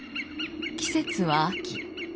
季節は秋。